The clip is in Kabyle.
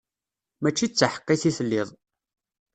Mačči d taḥeqqit i telliḍ.